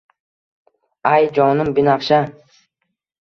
Ay jonim binafsha